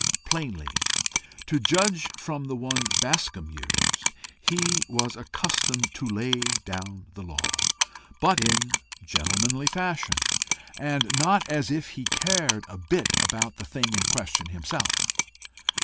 Plainly, to judge from the one Bascombe used, he was accustomed to lay down the law, but in gentlemanly fashion, and not as if he cared a bit about the thing in question himself.